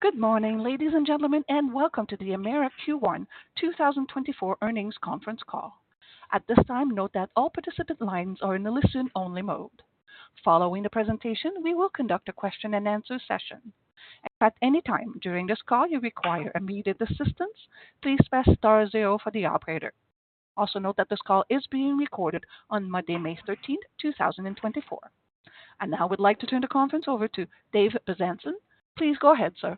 Good morning, ladies and gentlemen, and welcome to the Emera Q1 2024 earnings conference call. At this time, note that all participant lines are in the listen-only mode. Following the presentation, we will conduct a question-and-answer session. If at any time during this call you require immediate assistance, please press star zero for the operator. Also note that this call is being recorded on Monday, May 13, 2024. I now would like to turn the conference over to Dave Bezanson. Please go ahead, sir.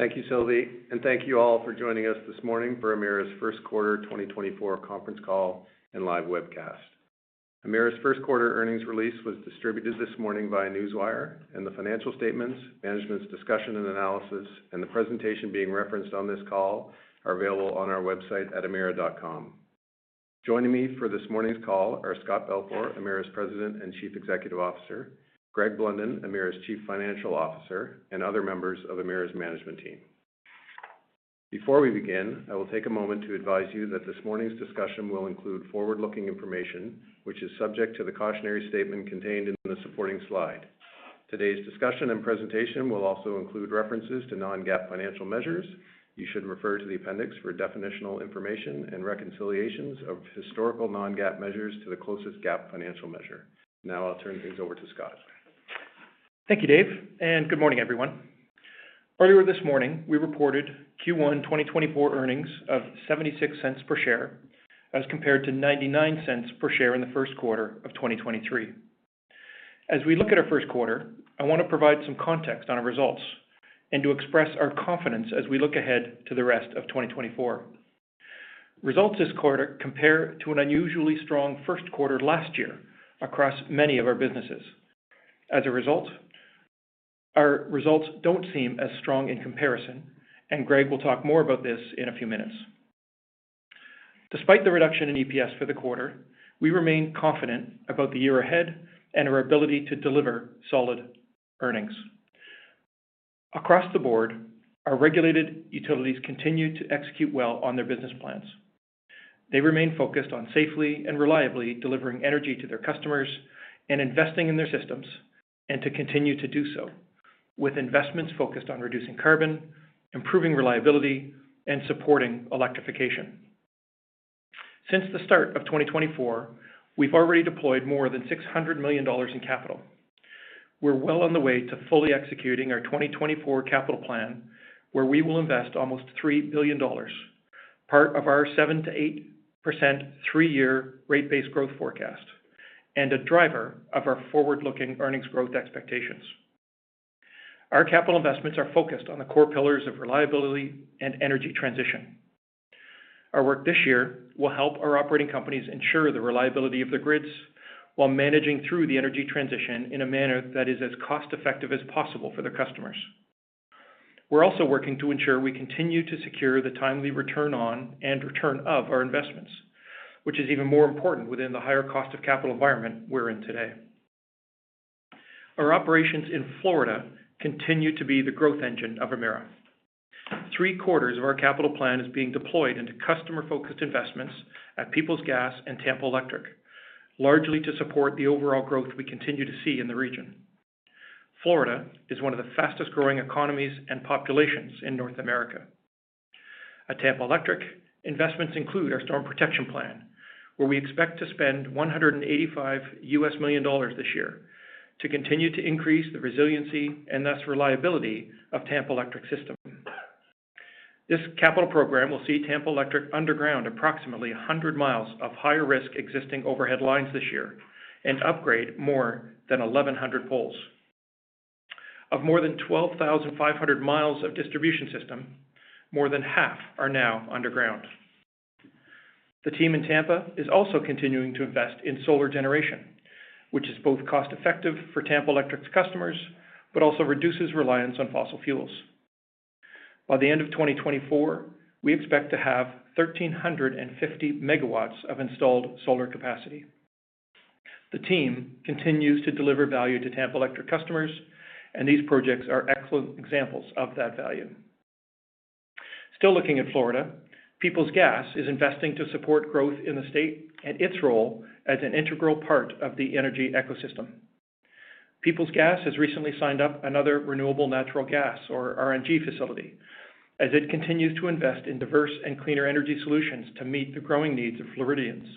Thank you, Sylvie, and thank you all for joining us this morning for Emera's first quarter 2024 conference call and live webcast. Emera's first quarter earnings release was distributed this morning via Newswire, and the financial statements, management's discussion and analysis, and the presentation being referenced on this call are available on our website at emera.com. Joining me for this morning's call are Scott Balfour, Emera's President and Chief Executive Officer, Greg Blunden, Emera's Chief Financial Officer, and other members of Emera's management team. Before we begin, I will take a moment to advise you that this morning's discussion will include forward-looking information, which is subject to the cautionary statement contained in the supporting slide. Today's discussion and presentation will also include references to non-GAAP financial measures. You should refer to the appendix for definitional information and reconciliations of historical non-GAAP measures to the closest GAAP financial measure. Now I'll turn things over to Scott. Thank you, Dave, and good morning, everyone. Earlier this morning, we reported Q1 2024 earnings of $0.76 per share as compared to $0.99 per share in the first quarter of 2023. As we look at our first quarter, I want to provide some context on our results and to express our confidence as we look ahead to the rest of 2024. Results this quarter compare to an unusually strong first quarter last year across many of our businesses. As a result, our results don't seem as strong in comparison, and Greg will talk more about this in a few minutes. Despite the reduction in EPS for the quarter, we remain confident about the year ahead and our ability to deliver solid earnings. Across the board, our regulated utilities continue to execute well on their business plans. They remain focused on safely and reliably delivering energy to their customers and investing in their systems, and to continue to do so with investments focused on reducing carbon, improving reliability, and supporting electrification. Since the start of 2024, we've already deployed more than $600 million in capital. We're well on the way to fully executing our 2024 capital plan, where we will invest almost $3 billion, part of our 7%-8% three-year rate-base growth forecast, and a driver of our forward-looking earnings growth expectations. Our capital investments are focused on the core pillars of reliability and energy transition. Our work this year will help our operating companies ensure the reliability of their grids while managing through the energy transition in a manner that is as cost-effective as possible for their customers. We're also working to ensure we continue to secure the timely return on and return of our investments, which is even more important within the higher cost-of-capital environment we're in today. Our operations in Florida continue to be the growth engine of Emera. Three quarters of our capital plan is being deployed into customer-focused investments at Peoples Gas and Tampa Electric, largely to support the overall growth we continue to see in the region. Florida is one of the fastest-growing economies and populations in North America. At Tampa Electric, investments include our Storm Protection Plan, where we expect to spend $185 million this year to continue to increase the resiliency and thus reliability of Tampa Electric's system. This capital program will see Tampa Electric underground approximately 100 miles of higher-risk existing overhead lines this year and upgrade more than 1,100 poles. Of more than 12,500 miles of distribution system, more than half are now underground. The team in Tampa is also continuing to invest in solar generation, which is both cost-effective for Tampa Electric's customers but also reduces reliance on fossil fuels. By the end of 2024, we expect to have 1,350 MW of installed solar capacity. The team continues to deliver value to Tampa Electric customers, and these projects are excellent examples of that value. Still looking at Florida, Peoples Gas is investing to support growth in the state and its role as an integral part of the energy ecosystem. Peoples Gas has recently signed up another renewable natural gas, or RNG, facility as it continues to invest in diverse and cleaner energy solutions to meet the growing needs of Floridians.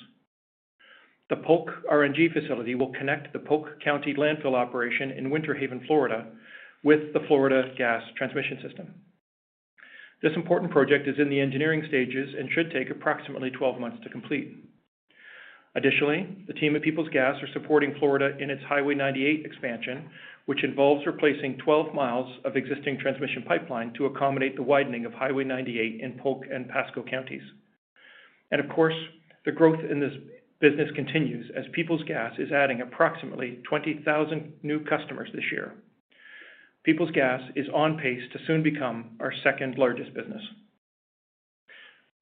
The Polk RNG facility will connect the Polk County landfill operation in Winter Haven, Florida, with the Florida Gas Transmission System. This important project is in the engineering stages and should take approximately 12 months to complete. Additionally, the team at Peoples Gas are supporting Florida in its Highway 98 expansion, which involves replacing 12 miles of existing transmission pipeline to accommodate the widening of Highway 98 in Polk and Pasco counties. Of course, the growth in this business continues as Peoples Gas is adding approximately 20,000 new customers this year. Peoples Gas is on pace to soon become our second-largest business.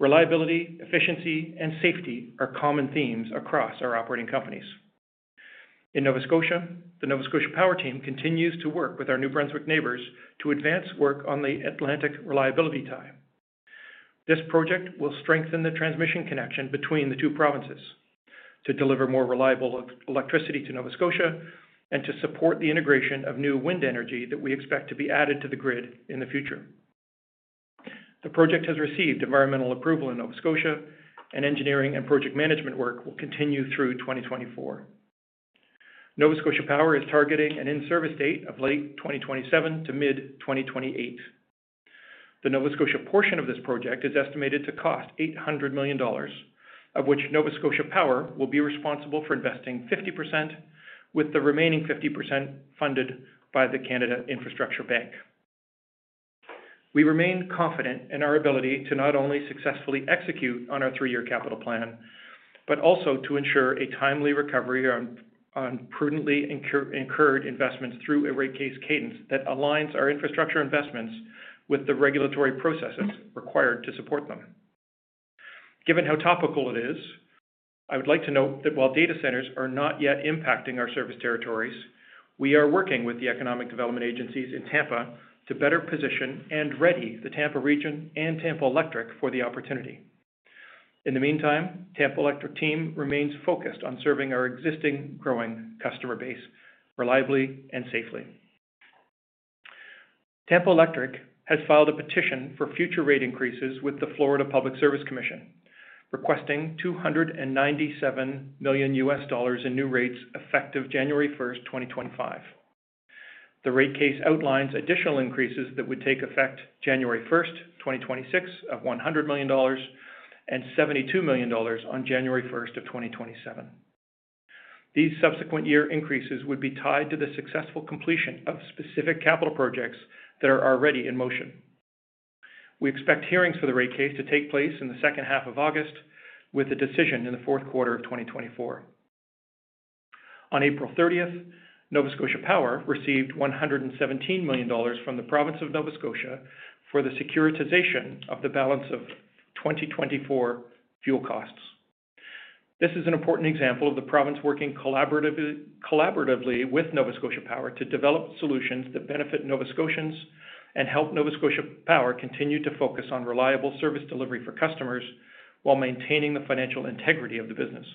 Reliability, efficiency, and safety are common themes across our operating companies. In Nova Scotia, the Nova Scotia Power team continues to work with our New Brunswick neighbors to advance work on the Atlantic Reliability Tie. This project will strengthen the transmission connection between the two provinces to deliver more reliable electricity to Nova Scotia and to support the integration of new wind energy that we expect to be added to the grid in the future. The project has received environmental approval in Nova Scotia, and engineering and project management work will continue through 2024. Nova Scotia Power is targeting an in-service date of late 2027 to mid-2028. The Nova Scotia portion of this project is estimated to cost 800 million dollars, of which Nova Scotia Power will be responsible for investing 50%, with the remaining 50% funded by the Canada Infrastructure Bank. We remain confident in our ability to not only successfully execute on our three-year capital plan but also to ensure a timely recovery on prudently incurred investments through a rate-case cadence that aligns our infrastructure investments with the regulatory processes required to support them. Given how topical it is, I would like to note that while data centers are not yet impacting our service territories, we are working with the economic development agencies in Tampa to better position and ready the Tampa region and Tampa Electric for the opportunity. In the meantime, Tampa Electric's team remains focused on serving our existing growing customer base reliably and safely. Tampa Electric has filed a petition for future rate increases with the Florida Public Service Commission, requesting $297 million in new rates effective January 1st, 2025. The rate case outlines additional increases that would take effect January 1st, 2026, of 100 million dollars and 72 million dollars on January 1, 2027. These subsequent year increases would be tied to the successful completion of specific capital projects that are already in motion. We expect hearings for the rate case to take place in the second half of August, with a decision in the fourth quarter of 2024. On April 30th, Nova Scotia Power received 117 million dollars from the province of Nova Scotia for the securitization of the balance of 2024 fuel costs. This is an important example of the province working collaboratively with Nova Scotia Power to develop solutions that benefit Nova Scotians and help Nova Scotia Power continue to focus on reliable service delivery for customers while maintaining the financial integrity of the business.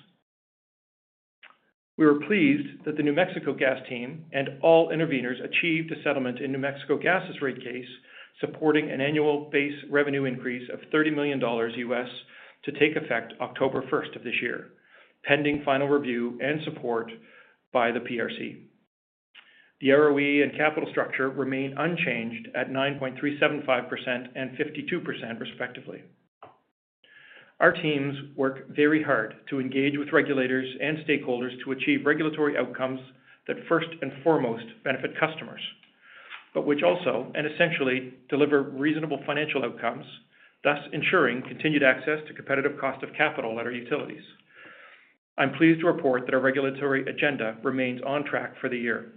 We were pleased that the New Mexico Gas team and all intervenors achieved a settlement in New Mexico Gas's rate case, supporting an annual base revenue increase of $30 million to take effect October 1 of this year, pending final review and support by the PRC. The ROE and capital structure remain unchanged at 9.375% and 52%, respectively. Our teams work very hard to engage with regulators and stakeholders to achieve regulatory outcomes that first and foremost benefit customers, but which also and essentially deliver reasonable financial outcomes, thus ensuring continued access to competitive cost-of-capital at our utilities. I'm pleased to report that our regulatory agenda remains on track for the year.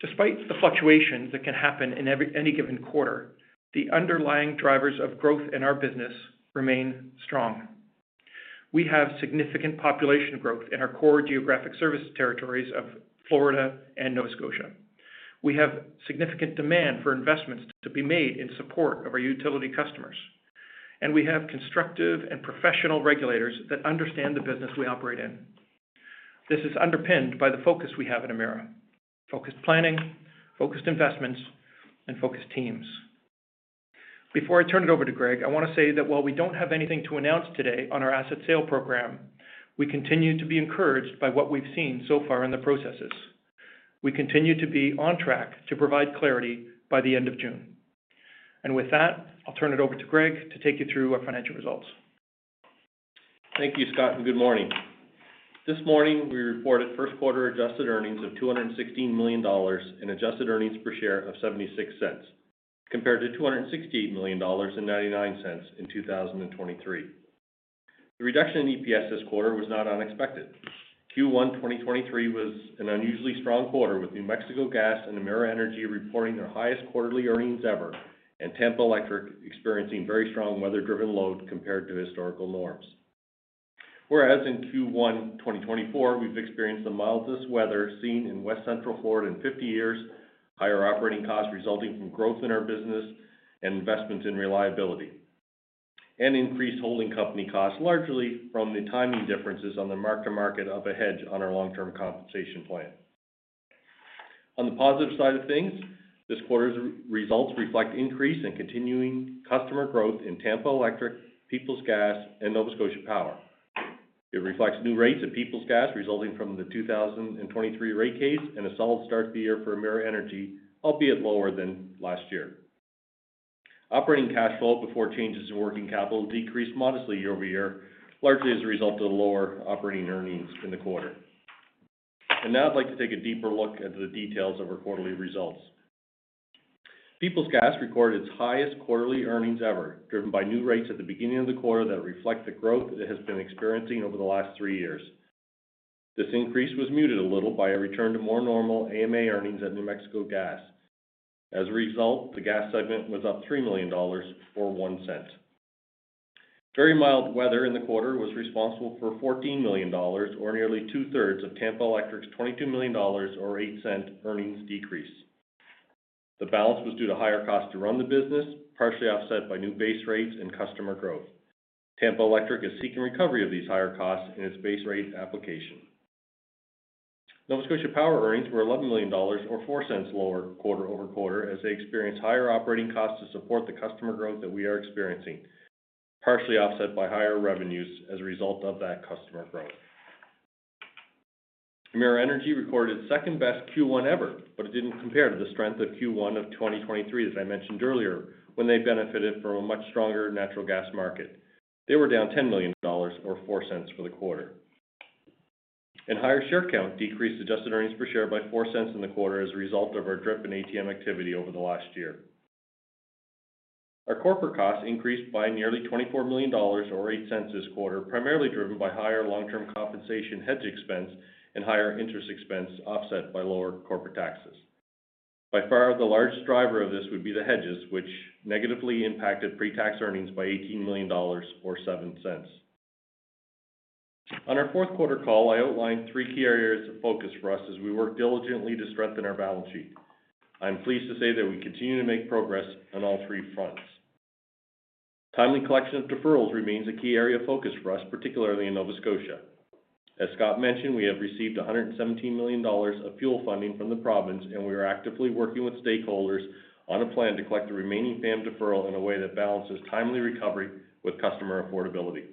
Despite the fluctuations that can happen in any given quarter, the underlying drivers of growth in our business remain strong. We have significant population growth in our core geographic service territories of Florida and Nova Scotia. We have significant demand for investments to be made in support of our utility customers, and we have constructive and professional regulators that understand the business we operate in. This is underpinned by the focus we have at Emera: focused planning, focused investments, and focused teams. Before I turn it over to Greg, I want to say that while we don't have anything to announce today on our asset sale program, we continue to be encouraged by what we've seen so far in the processes. We continue to be on track to provide clarity by the end of June. And with that, I'll turn it over to Greg to take you through our financial results. Thank you, Scott, and good morning. This morning, we reported first quarter adjusted earnings of 216 million dollars and adjusted earnings per share of 0.76, compared to 268 million dollars and 0.99 in 2023. The reduction in EPS this quarter was not unexpected. Q1 2023 was an unusually strong quarter, with New Mexico Gas and Emera Energy reporting their highest quarterly earnings ever and Tampa Electric experiencing very strong weather-driven load compared to historical norms. Whereas in Q1 2024, we've experienced the mildest weather seen in West Central Florida in 50 years, higher operating costs resulting from growth in our business and investments in reliability, and increased holding company costs largely from the timing differences on the mark-to-market of a hedge on our long-term compensation plan. On the positive side of things, this quarter's results reflect increase in continuing customer growth in Tampa Electric, Peoples Gas, and Nova Scotia Power. It reflects new rates at Peoples Gas resulting from the 2023 rate case and a solid start to the year for Emera Energy, albeit lower than last year. Operating cash flow before changes in working capital decreased modestly year-over-year, largely as a result of the lower operating earnings in the quarter. And now I'd like to take a deeper look at the details of our quarterly results. Peoples Gas recorded its highest quarterly earnings ever, driven by new rates at the beginning of the quarter that reflect the growth it has been experiencing over the last three years. This increase was muted a little by a return to more normal AMA earnings at New Mexico Gas. As a result, the gas segment was up $3 million or $0.01. Very mild weather in the quarter was responsible for 14 million dollars, or nearly two-thirds, of Tampa Electric's 22 million dollars or 0.08 earnings decrease. The balance was due to higher costs to run the business, partially offset by new base rates and customer growth. Tampa Electric is seeking recovery of these higher costs in its base rate application. Nova Scotia Power earnings were 11 million dollars or 0.04 lower quarter-over-quarter as they experienced higher operating costs to support the customer growth that we are experiencing, partially offset by higher revenues as a result of that customer growth. Emera Energy recorded second-best Q1 ever, but it didn't compare to the strength of Q1 of 2023 that I mentioned earlier when they benefited from a much stronger natural gas market. They were down 10 million dollars or 0.04 for the quarter. Higher share count decreased adjusted earnings per share by 0.04 in the quarter as a result of our DRIP and ATM activity over the last year. Our corporate costs increased by nearly 24 million dollars or 0.08 this quarter, primarily driven by higher long-term compensation hedge expense and higher interest expense offset by lower corporate taxes. By far, the largest driver of this would be the hedges, which negatively impacted pre-tax earnings by 18 million dollars or 0.07. On our fourth quarter call, I outlined three key areas of focus for us as we work diligently to strengthen our balance sheet. I'm pleased to say that we continue to make progress on all three fronts. Timely collection of deferrals remains a key area of focus for us, particularly in Nova Scotia. As Scott mentioned, we have received 117 million dollars of fuel funding from the province, and we are actively working with stakeholders on a plan to collect the remaining FAM deferral in a way that balances timely recovery with customer affordability.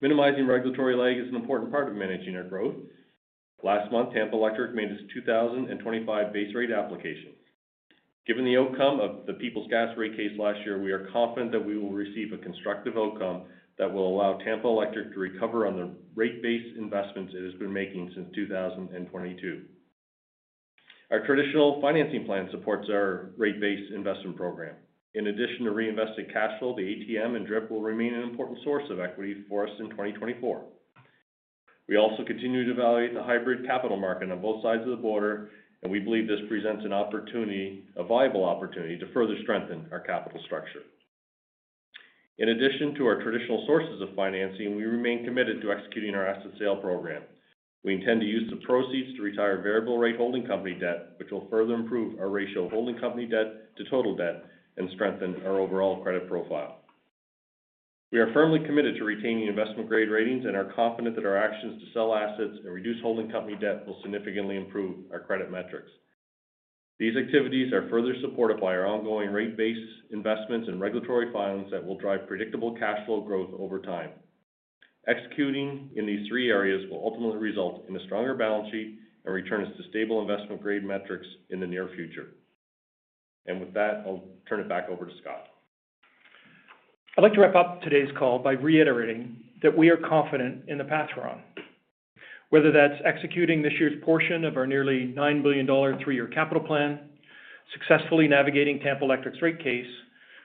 Minimizing regulatory lag is an important part of managing our growth. Last month, Tampa Electric made its 2025 base rate application. Given the outcome of the Peoples Gas rate case last year, we are confident that we will receive a constructive outcome that will allow Tampa Electric to recover on the rate-base investments it has been making since 2022. Our traditional financing plan supports our rate-base investment program. In addition to reinvested cash flow, the ATM and DRIP will remain an important source of equity for us in 2024. We also continue to evaluate the hybrid capital market on both sides of the border, and we believe this presents an opportunity, a viable opportunity, to further strengthen our capital structure. In addition to our traditional sources of financing, we remain committed to executing our asset sale program. We intend to use the proceeds to retire variable rate holding company debt, which will further improve our ratio of holding company debt to total debt and strengthen our overall credit profile. We are firmly committed to retaining investment-grade ratings and are confident that our actions to sell assets and reduce holding company debt will significantly improve our credit metrics. These activities are further supported by our ongoing rate base investments and regulatory filings that will drive predictable cash flow growth over time. Executing in these three areas will ultimately result in a stronger balance sheet and return us to stable investment-grade metrics in the near future. With that, I'll turn it back over to Scott. I'd like to wrap up today's call by reiterating that we are confident in the path we're on. Whether that's executing this year's portion of our nearly 9 billion dollar three-year capital plan, successfully navigating Tampa Electric's rate case,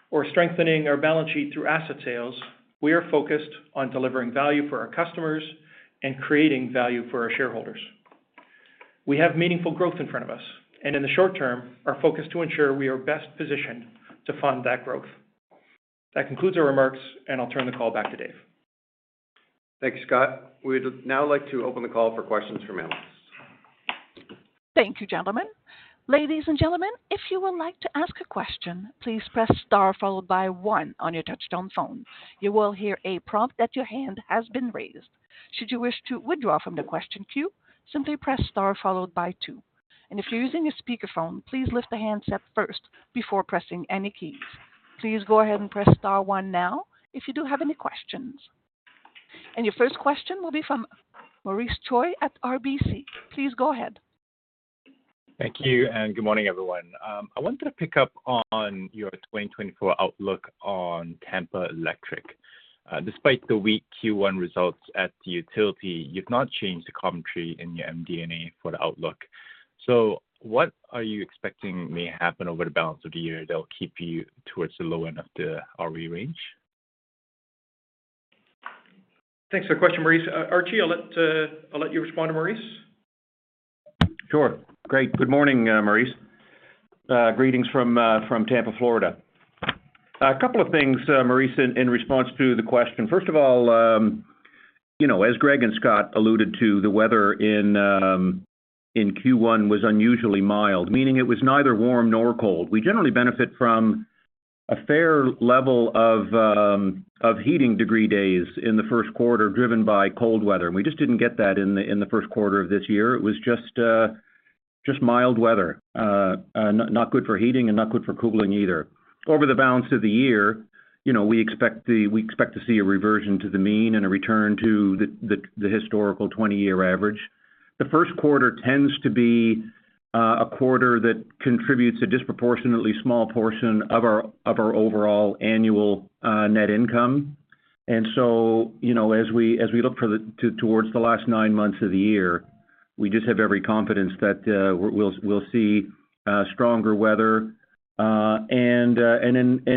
or strengthening our balance sheet through asset sales, we are focused on delivering value for our customers and creating value for our shareholders. We have meaningful growth in front of us, and in the short term, our focus is to ensure we are best positioned to fund that growth. That concludes our remarks, and I'll turn the call back to Dave. Thank you, Scott. We'd now like to open the call for questions from analysts. Thank you, gentlemen. Ladies and gentlemen, if you would like to ask a question, please press star followed by one on your touch-tone phone. You will hear a prompt that your hand has been raised. Should you wish to withdraw from the question queue, simply press star followed by two. If you're using a speakerphone, please lift the handset first before pressing any keys. Please go ahead and press star one now if you do have any questions. Your first question will be from Maurice Choy at RBC. Please go ahead. Thank you, and good morning, everyone. I wanted to pick up on your 2024 outlook on Tampa Electric. Despite the weak Q1 results at the utility, you've not changed the commentary in your MD&A for the outlook. So what are you expecting may happen over the balance of the year that'll keep you towards the low end of the ROE range? Thanks for the question, Maurice. Archie, I'll let you respond to Maurice. Sure. Great. Good morning, Maurice. Greetings from Tampa, Florida. A couple of things, Maurice, in response to the question. First of all, as Greg and Scott alluded to, the weather in Q1 was unusually mild, meaning it was neither warm nor cold. We generally benefit from a fair level of heating degree days in the first quarter driven by cold weather, and we just didn't get that in the first quarter of this year. It was just mild weather, not good for heating and not good for cooling either. Over the balance of the year, we expect to see a reversion to the mean and a return to the historical 20-year average. The first quarter tends to be a quarter that contributes a disproportionately small portion of our overall annual net income. And so as we look towards the last nine months of the year, we just have every confidence that we'll see stronger weather and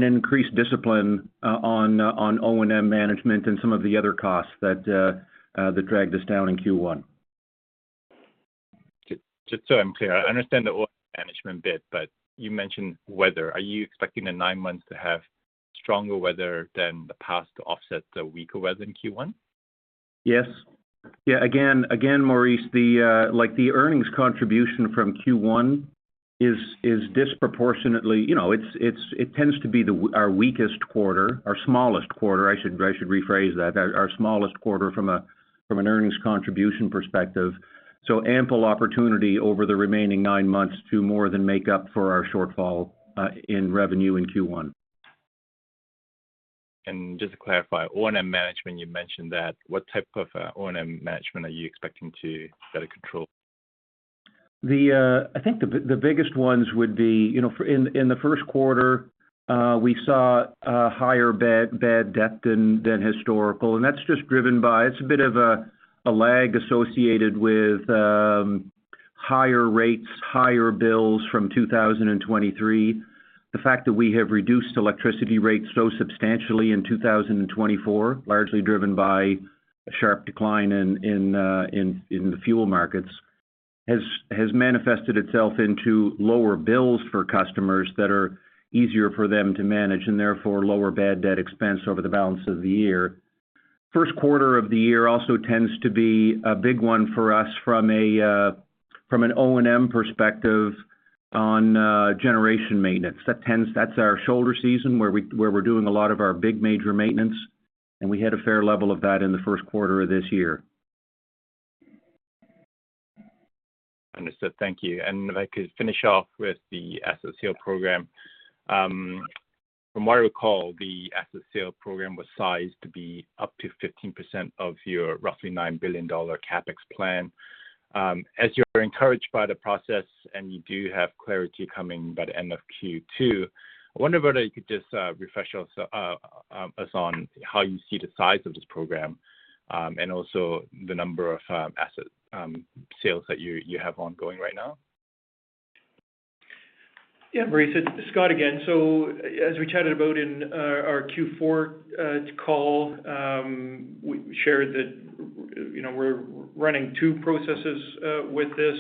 increased discipline on O&M management and some of the other costs that dragged us down in Q1. Just so I'm clear, I understand the O&M management bit, but you mentioned weather. Are you expecting in nine months to have stronger weather than the past to offset the weaker weather in Q1? Yes. Yeah, again, Maurice, the earnings contribution from Q1 is disproportionately. It tends to be our weakest quarter, our smallest quarter. I should rephrase that, our smallest quarter from an earnings contribution perspective. So ample opportunity over the remaining nine months to more than make up for our shortfall in revenue in Q1. Just to clarify, O&M management you mentioned that. What type of O&M management are you expecting to better control? I think the biggest ones would be in the first quarter, we saw higher bad debt than historical, and that's just driven by it's a bit of a lag associated with higher rates, higher bills from 2023. The fact that we have reduced electricity rates so substantially in 2024, largely driven by a sharp decline in the fuel markets, has manifested itself into lower bills for customers that are easier for them to manage and therefore lower bad debt expense over the balance of the year. First quarter of the year also tends to be a big one for us from an O&M perspective on generation maintenance. That's our shoulder season where we're doing a lot of our big major maintenance, and we had a fair level of that in the first quarter of this year. Understood. Thank you. If I could finish off with the asset sale program. From what I recall, the asset sale program was sized to be up to 15% of your roughly 9 billion dollar CapEx plan. As you're encouraged by the process and you do have clarity coming by the end of Q2, I wonder whether you could just refresh us on how you see the size of this program and also the number of asset sales that you have ongoing right now. Yeah, Maurice. Scott again. So as we chatted about in our Q4 call, we shared that we're running two processes with this,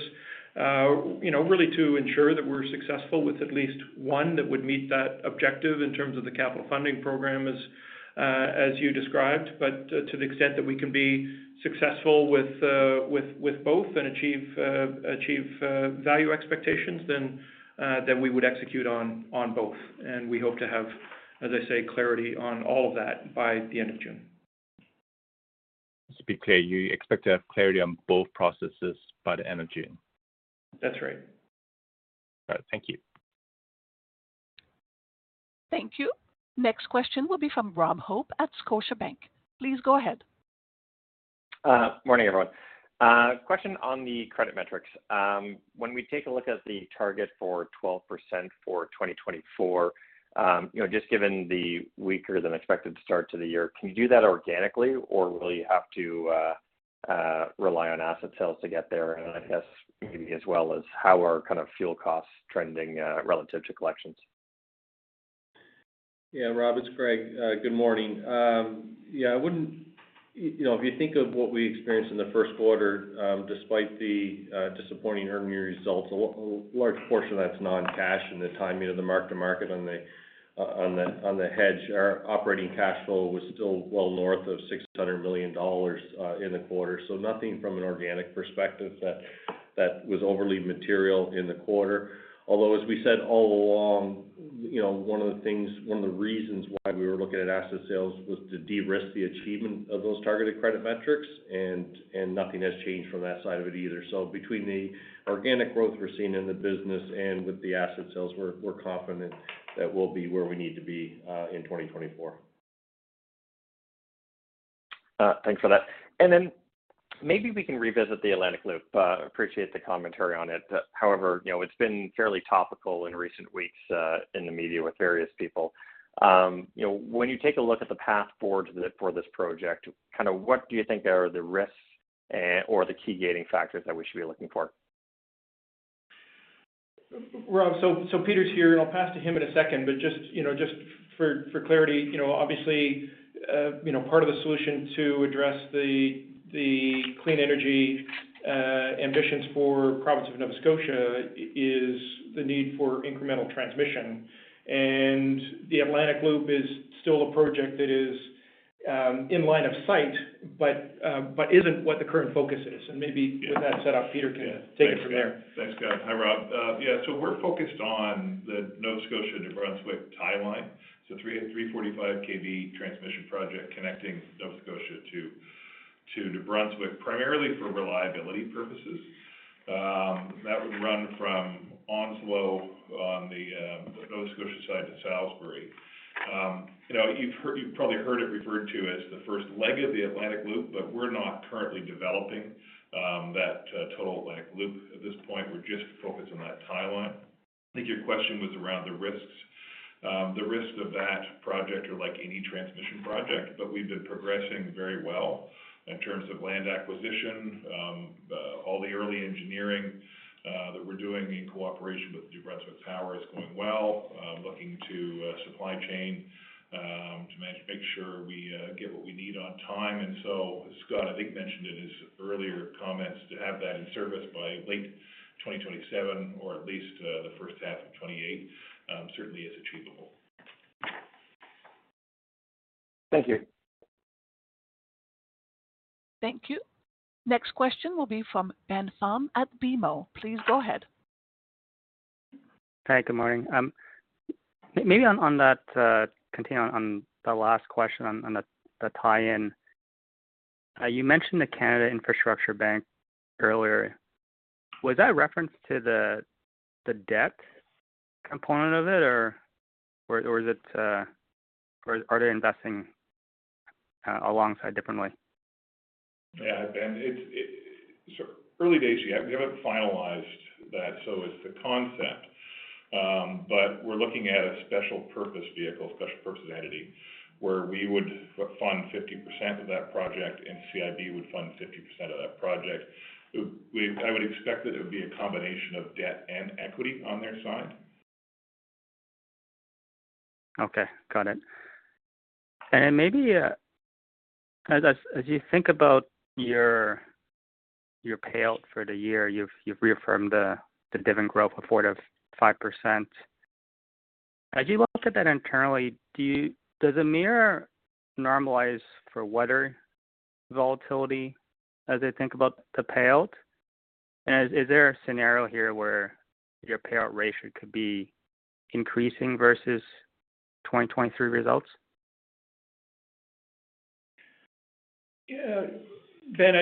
really to ensure that we're successful with at least one that would meet that objective in terms of the capital funding program as you described. But to the extent that we can be successful with both and achieve value expectations, then we would execute on both. And we hope to have, as I say, clarity on all of that by the end of June. To be clear, you expect to have clarity on both processes by the end of June. That's right. All right. Thank you. Thank you. Next question will be from Rob Hope at Scotiabank. Please go ahead. Morning, everyone. Question on the credit metrics. When we take a look at the target for 12% for 2024, just given the weaker than expected start to the year, can you do that organically, or will you have to rely on asset sales to get there? And I guess maybe as well as how are kind of fuel costs trending relative to collections? Yeah, Rob. It's Greg. Good morning. Yeah, I wouldn't if you think of what we experienced in the first quarter, despite the disappointing earnings results, a large portion of that's non-cash and the timing of the mark-to-market on the hedge. Our operating cash flow was still well north of 600 million dollars in the quarter. So nothing from an organic perspective that was overly material in the quarter. Although, as we said all along, one of the things, one of the reasons why we were looking at asset sales was to de-risk the achievement of those targeted credit metrics, and nothing has changed from that side of it either. So between the organic growth we're seeing in the business and with the asset sales, we're confident that we'll be where we need to be in 2024. Thanks for that. And then maybe we can revisit the Atlantic Loop. Appreciate the commentary on it. However, it's been fairly topical in recent weeks in the media with various people. When you take a look at the path forward for this project, kind of what do you think are the risks or the key gating factors that we should be looking for? Rob, so Peter's here, and I'll pass to him in a second. But just for clarity, obviously, part of the solution to address the clean energy ambitions for the province of Nova Scotia is the need for incremental transmission. And the Atlantic Loop is still a project that is in line of sight but isn't what the current focus is. And maybe with that set up, Peter can take it from there. Thanks, Scott. Hi, Rob. Yeah, so we're focused on the Nova Scotia-New Brunswick tie line. It's a 345 kV transmission project connecting Nova Scotia to New Brunswick, primarily for reliability purposes. That would run from Onslow on the Nova Scotia side to Salisbury. You've probably heard it referred to as the first leg of the Atlantic Loop, but we're not currently developing that total Atlantic Loop at this point. We're just focused on that tie line. I think your question was around the risks. The risks of that project are like any transmission project, but we've been progressing very well in terms of land acquisition. All the early engineering that we're doing in cooperation with New Brunswick Power is going well, looking to supply chain to make sure we get what we need on time. And so Scott, I think mentioned in his earlier comments, to have that in service by late 2027 or at least the first half of 2028, certainly is achievable. Thank you. Thank you. Next question will be from Ben Pham at BMO. Please go ahead. Hi, good morning. Maybe on that, continue on the last question on the tie-in. You mentioned the Canada Infrastructure Bank earlier. Was that reference to the debt component of it, or are they investing alongside differently? Yeah, Ben, so early days, yeah, we haven't finalized that. So it's the concept. But we're looking at a special purpose vehicle, special purpose entity, where we would fund 50% of that project, and CIB would fund 50% of that project. I would expect that it would be a combination of debt and equity on their side. Okay. Got it. And then maybe as you think about your payout for the year, you've reaffirmed the dividend growth of 4%-5%. As you look at that internally, does Emera normalize for weather volatility as they think about the payout? And is there a scenario here where your payout ratio could be increasing versus 2023 results? Yeah, Ben,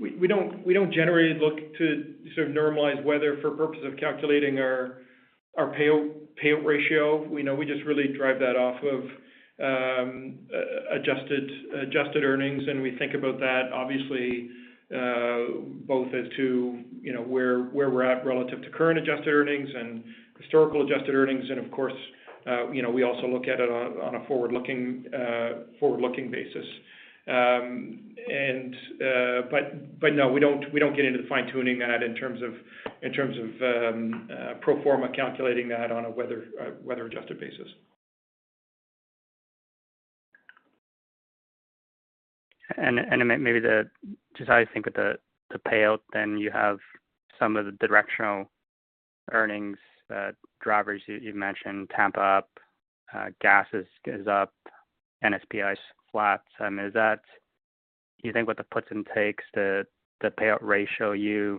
we don't generally look to sort of normalize weather for purpose of calculating our payout ratio. We just really drive that off of adjusted earnings, and we think about that, obviously, both as to where we're at relative to current adjusted earnings and historical adjusted earnings. And of course, we also look at it on a forward-looking basis. But no, we don't get into the fine-tuning that in terms of pro forma calculating that on a weather-adjusted basis. Maybe just how you think with the payout, then you have some of the directional earnings drivers you've mentioned, Tampa up, gas is up, NSPI is flat. I mean, do you think with the puts and takes, the payout ratio, you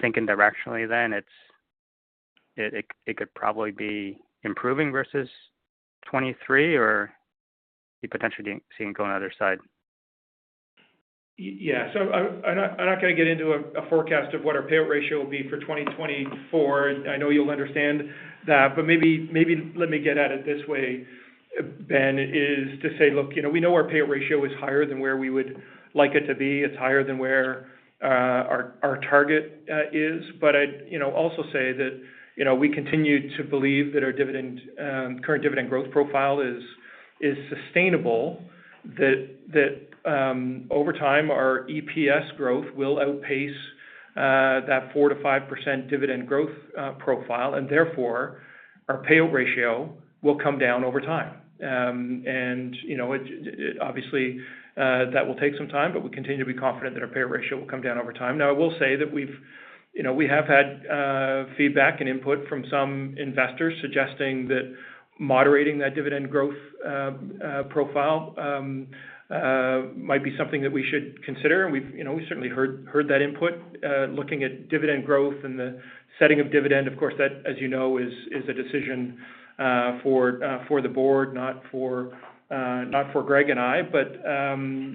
think directionally then it could probably be improving versus 2023, or you potentially see it going the other side? Yeah. So I'm not going to get into a forecast of what our payout ratio will be for 2024. I know you'll understand that. But maybe let me get at it this way, Ben, is to say, look, we know our payout ratio is higher than where we would like it to be. It's higher than where our target is. But I'd also say that we continue to believe that our current dividend growth profile is sustainable, that over time, our EPS growth will outpace that 4%-5% dividend growth profile, and therefore, our payout ratio will come down over time. And obviously, that will take some time, but we continue to be confident that our payout ratio will come down over time. Now, I will say that we have had feedback and input from some investors suggesting that moderating that dividend growth profile might be something that we should consider. And we've certainly heard that input. Looking at dividend growth and the setting of dividend, of course, that, as you know, is a decision for the Board, not for Greg and I.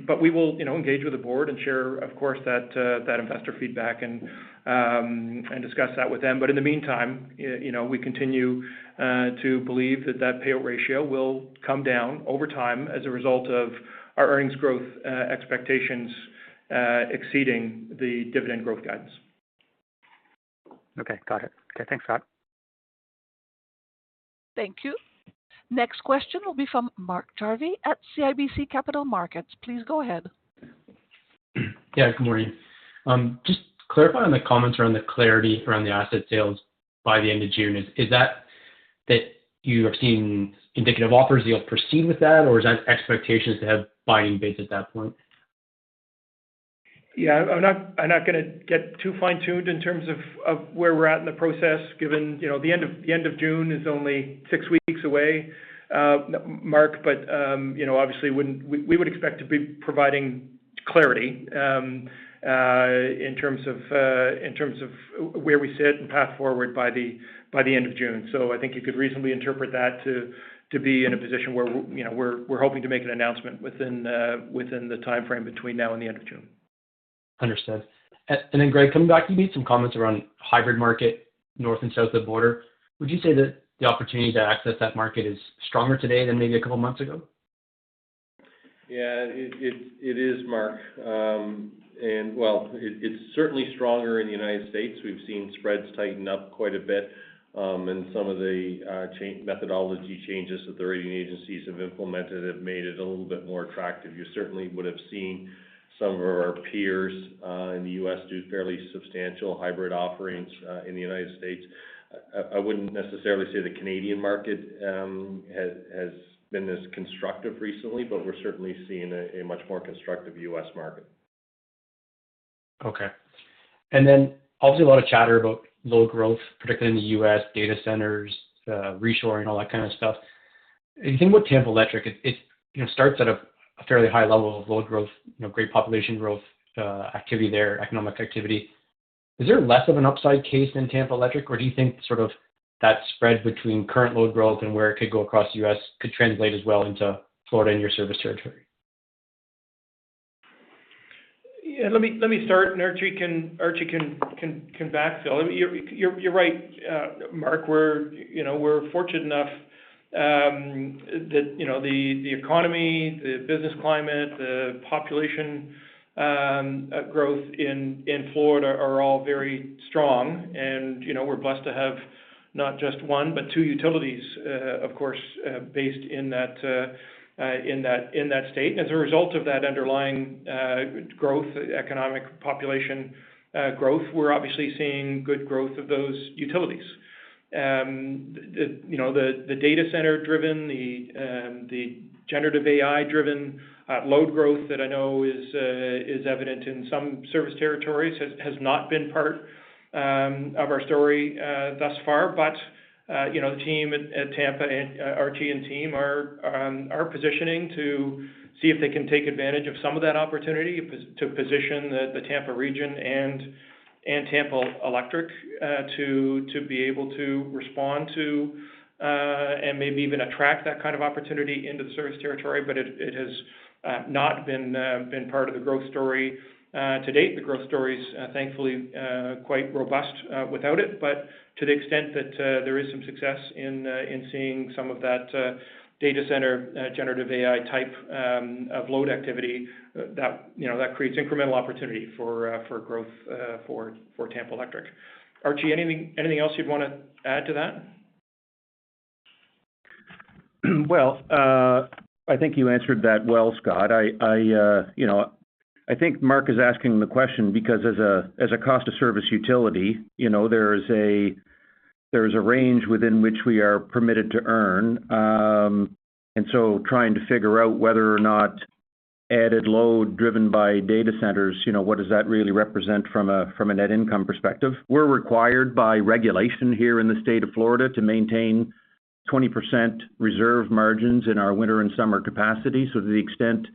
But we will engage with the board and share, of course, that investor feedback and discuss that with them. But in the meantime, we continue to believe that that payout ratio will come down over time as a result of our earnings growth expectations exceeding the dividend growth guidance. Okay. Got it. Okay. Thanks, Scott. Thank you. Next question will be from Mark Jarvi at CIBC Capital Markets. Please go ahead. Yeah, good morning. Just clarifying the comments around the clarity around the asset sales by the end of June. Is that that you have seen indicative offers that you'll proceed with that, or is that expectations to have binding bids at that point? Yeah, I'm not going to get too fine-tuned in terms of where we're at in the process, given the end of June is only six weeks away, Mark. But obviously, we would expect to be providing clarity in terms of where we sit and path forward by the end of June. So I think you could reasonably interpret that to be in a position where we're hoping to make an announcement within the timeframe between now and the end of June. Understood. And then Greg, coming back to you, made some comments around hybrid market north and south of the border. Would you say that the opportunity to access that market is stronger today than maybe a couple of months ago? Yeah, it is, Mark. Well, it's certainly stronger in the United States. We've seen spreads tighten up quite a bit. Some of the methodology changes that the rating agencies have implemented have made it a little bit more attractive. You certainly would have seen some of our peers in the U.S. do fairly substantial hybrid offerings in the United States. I wouldn't necessarily say the Canadian market has been this constructive recently, but we're certainly seeing a much more constructive U.S. market. Okay. And then obviously, a lot of chatter about low growth, particularly in the U.S., data centers, reshoring, all that kind of stuff. You think with Tampa Electric, it starts at a fairly high level of low growth, great population growth activity there, economic activity. Is there less of an upside case in Tampa Electric, or do you think sort of that spread between current load growth and where it could go across the U.S. could translate as well into Florida and your service territory? Yeah, let me start. Archie can backfill. You're right, Mark. We're fortunate enough that the economy, the business climate, the population growth in Florida are all very strong. And we're blessed to have not just one, but two utilities, of course, based in that state. And as a result of that underlying growth, economic population growth, we're obviously seeing good growth of those utilities. The data-center-driven, the generative AI-driven load growth that I know is evident in some service territories has not been part of our story thus far. But the team at Tampa, Archie and team, are positioning to see if they can take advantage of some of that opportunity to position the Tampa region and Tampa Electric to be able to respond to and maybe even attract that kind of opportunity into the service territory. But it has not been part of the growth story to date. The growth story is, thankfully, quite robust without it, but to the extent that there is some success in seeing some of that data-center generative AI type of load activity, that creates incremental opportunity for growth for Tampa Electric. Archie, anything else you'd want to add to that? Well, I think you answered that well, Scott. I think Mark is asking the question because as a cost-of-service utility, there's a range within which we are permitted to earn. And so trying to figure out whether or not added load driven by data centers, what does that really represent from a net income perspective? We're required by regulation here in the state of Florida to maintain 20% reserve margins in our winter and summer capacity. So to the extent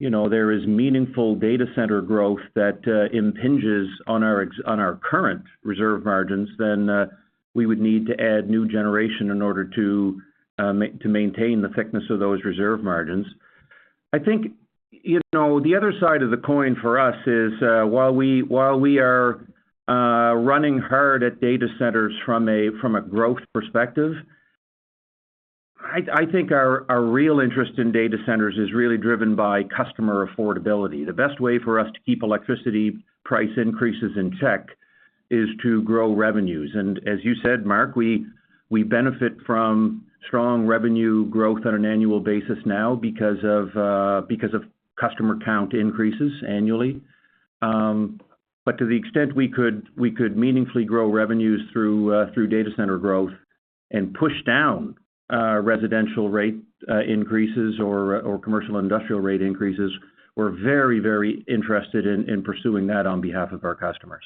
there is meaningful data center growth that impinges on our current reserve margins, then we would need to add new generation in order to maintain the thickness of those reserve margins. I think the other side of the coin for us is while we are running hard at data centers from a growth perspective, I think our real interest in data centers is really driven by customer affordability. The best way for us to keep electricity price increases in check is to grow revenues. As you said, Mark, we benefit from strong revenue growth on an annual basis now because of customer count increases annually. To the extent we could meaningfully grow revenues through data center growth and push down residential rate increases or commercial industrial rate increases, we're very, very interested in pursuing that on behalf of our customers.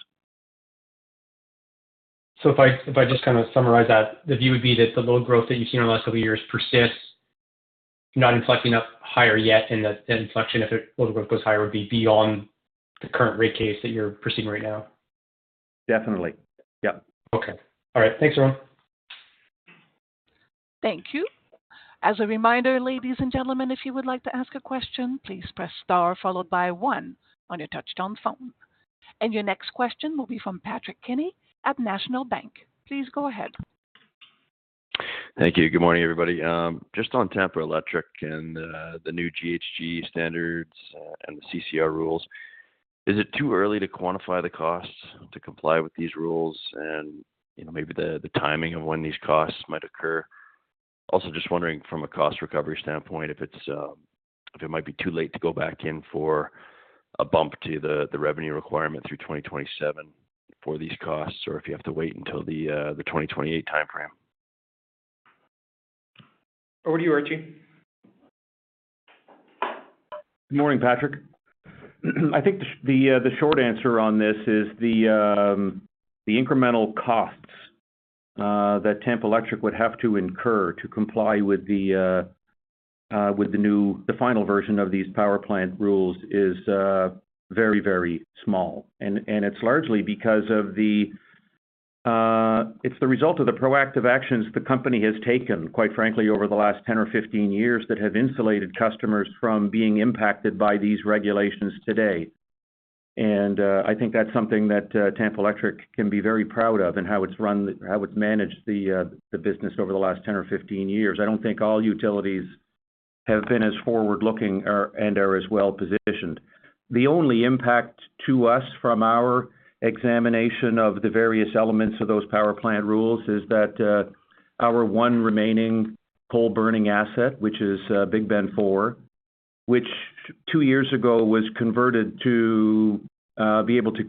If I just kind of summarize that, the view would be that the low growth that you've seen in the last couple of years persists, not inflecting up higher yet. That inflection, if low growth goes higher, would be beyond the current rate case that you're proceeding right now. Definitely. Yep. Okay. All right. Thanks, everyone. Thank you. As a reminder, ladies and gentlemen, if you would like to ask a question, please press star followed by one on your touch-tone phone. And your next question will be from Patrick Kenny at National Bank. Please go ahead. Thank you. Good morning, everybody. Just on Tampa Electric and the new GHG standards and the CCR rules, is it too early to quantify the costs to comply with these rules and maybe the timing of when these costs might occur? Also, just wondering from a cost recovery standpoint, if it might be too late to go back in for a bump to the revenue requirement through 2027 for these costs, or if you have to wait until the 2028 timeframe. Over to you, Archie. Good morning, Patrick. I think the short answer on this is the incremental costs that Tampa Electric would have to incur to comply with the final version of these power plant rules is very, very small. And it's largely because of the result of the proactive actions the company has taken, quite frankly, over the last 10 or 15 years that have insulated customers from being impacted by these regulations today. And I think that's something that Tampa Electric can be very proud of and how it's managed the business over the last 10 or 15 years. I don't think all utilities have been as forward-looking and are as well positioned. The only impact to us from our examination of the various elements of those power plant rules is that our one remaining coal-burning asset, which is Big Bend 4, which two years ago was converted to be able to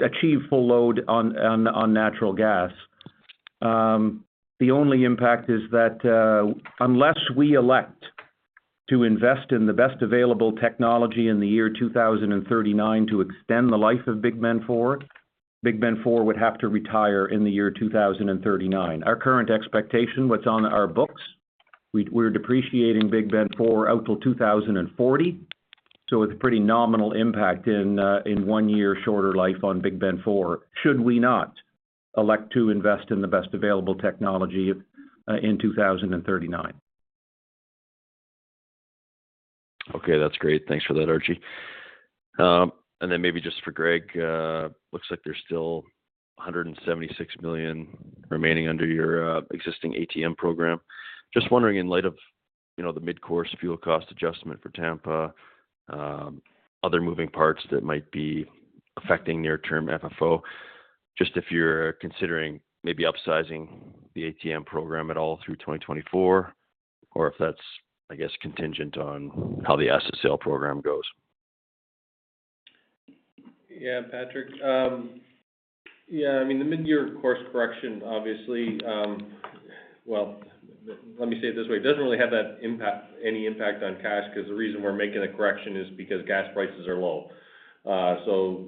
achieve full load on natural gas. The only impact is that unless we elect to invest in the best available technology in the year 2039 to extend the life of Big Bend 4, Big Bend 4 would have to retire in the year 2039. Our current expectation, what's on our books, we're depreciating Big Bend 4 out till 2040. So it's a pretty nominal impact in one year shorter life on Big Bend 4 should we not elect to invest in the best available technology in 2039. Okay. That's great. Thanks for that, Archie. And then maybe just for Greg, looks like there's still 176 million remaining under your existing ATM program. Just wondering, in light of the mid-course fuel cost adjustment for Tampa, other moving parts that might be affecting near-term FFO, just if you're considering maybe upsizing the ATM program at all through 2024, or if that's, I guess, contingent on how the asset sale program goes. Yeah, Patrick. Yeah, I mean, the mid-year course correction. Obviously, well, let me say it this way. It doesn't really have any impact on cash because the reason we're making the correction is because gas prices are low. So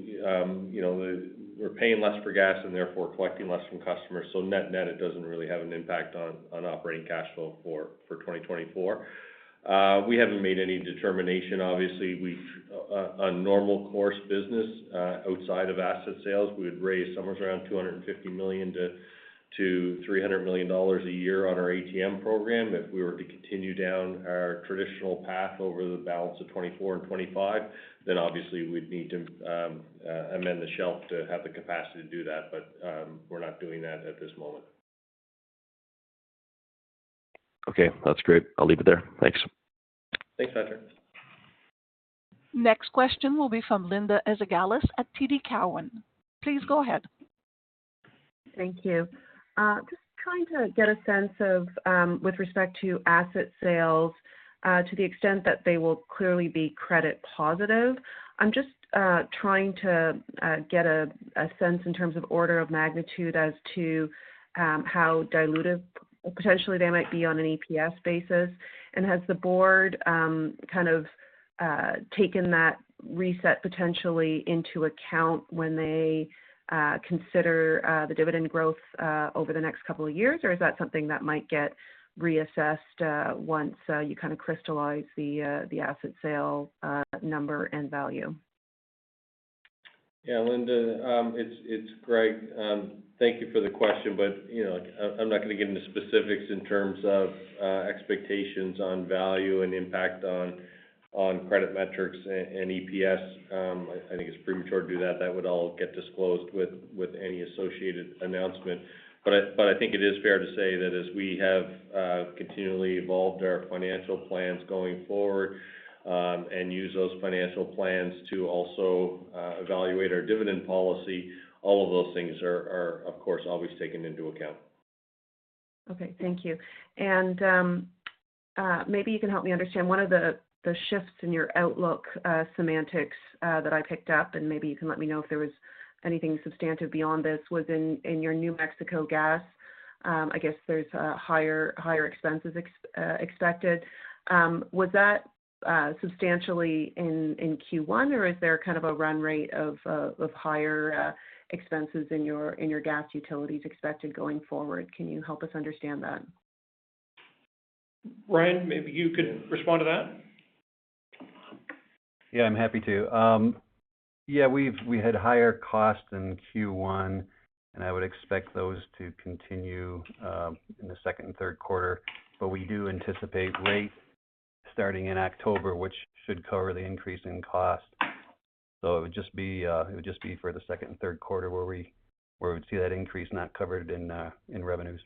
we're paying less for gas and therefore collecting less from customers. So net, net, it doesn't really have an impact on operating cash flow for 2024. We haven't made any determination, obviously. On normal course business outside of asset sales, we would raise somewhere around $250 million-$300 million a year on our ATM program. If we were to continue down our traditional path over the balance of 2024 and 2025, then obviously, we'd need to amend the shelf to have the capacity to do that. But we're not doing that at this moment. Okay. That's great. I'll leave it there. Thanks. Thanks, Patrick. Next question will be from Linda Ezergailis at TD Cowen. Please go ahead. Thank you. Just trying to get a sense with respect to asset sales to the extent that they will clearly be credit positive. I'm just trying to get a sense in terms of order of magnitude as to how dilutive potentially they might be on an EPS basis. Has the board kind of taken that reset potentially into account when they consider the dividend growth over the next couple of years, or is that something that might get reassessed once you kind of crystallize the asset sale number and value? Yeah, Linda, it's Greg. Thank you for the question, but I'm not going to get into specifics in terms of expectations on value and impact on credit metrics and EPS. I think it's premature to do that. That would all get disclosed with any associated announcement. But I think it is fair to say that as we have continually evolved our financial plans going forward and use those financial plans to also evaluate our dividend policy, all of those things are, of course, always taken into account. Okay. Thank you. Maybe you can help me understand one of the shifts in your outlook semantics that I picked up, and maybe you can let me know if there was anything substantive beyond this, was in your New Mexico Gas. I guess there's higher expenses expected. Was that substantially in Q1, or is there kind of a run rate of higher expenses in your gas utilities expected going forward? Can you help us understand that? Ryan, maybe you could respond to that. Yeah, I'm happy to. Yeah, we had higher costs in Q1, and I would expect those to continue in the second and third quarter. But we do anticipate rate starting in October, which should cover the increase in cost. So it would just be for the second and third quarter where we'd see that increase not covered in revenues.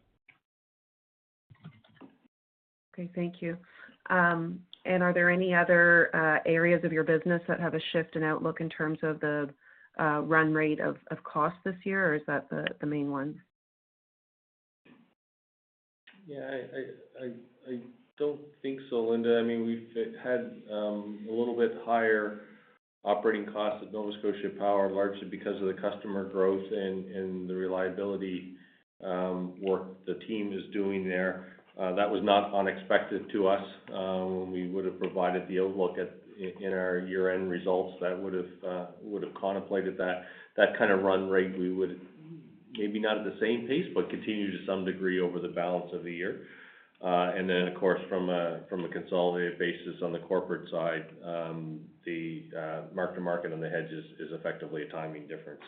Okay. Thank you. And are there any other areas of your business that have a shift in outlook in terms of the run rate of costs this year, or is that the main one? Yeah, I don't think so, Linda. I mean, we've had a little bit higher operating costs at Nova Scotia Power, largely because of the customer growth and the reliability work the team is doing there. That was not unexpected to us. When we would have provided the outlook in our year-end results, that would have contemplated that kind of run rate. We would maybe not at the same pace, but continue to some degree over the balance of the year. And then, of course, from a consolidated basis on the corporate side, the mark-to-market on the hedge is effectively a timing difference.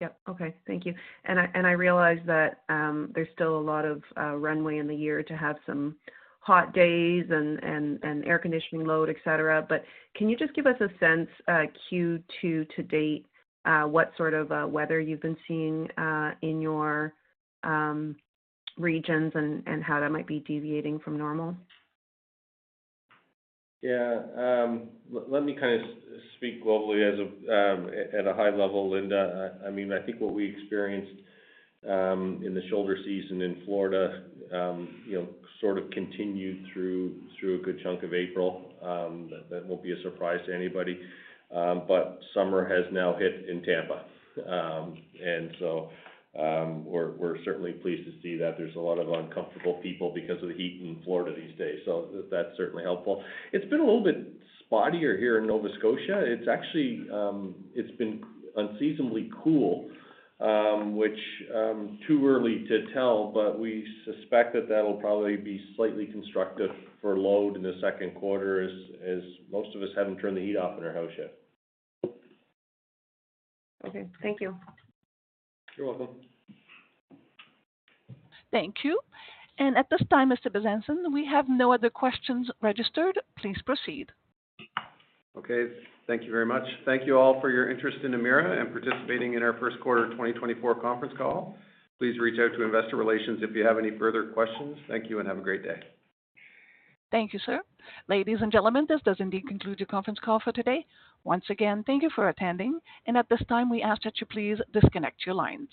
Yep. Okay. Thank you. And I realize that there's still a lot of runway in the year to have some hot days and air conditioning load, etc. But can you just give us a sense, Q2 to date, what sort of weather you've been seeing in your regions and how that might be deviating from normal? Yeah. Let me kind of speak globally at a high level, Linda. I mean, I think what we experienced in the shoulder season in Florida sort of continued through a good chunk of April. That won't be a surprise to anybody. But summer has now hit in Tampa. And so we're certainly pleased to see that there's a lot of uncomfortable people because of the heat in Florida these days. So that's certainly helpful. It's been a little bit spottier here in Nova Scotia. It's been unseasonably cool, which too early to tell, but we suspect that that'll probably be slightly constructive for load in the second quarter as most of us haven't turned the heat off in our house yet. Okay. Thank you. You're welcome. Thank you. At this time, Mr. Bezanson, we have no other questions registered. Please proceed. Okay. Thank you very much. Thank you all for your interest in Emera and participating in our first quarter 2024 conference call. Please reach out to investor relations if you have any further questions. Thank you and have a great day. Thank you, sir. Ladies and gentlemen, this does indeed conclude your conference call for today. Once again, thank you for attending. And at this time, we ask that you please disconnect your lines.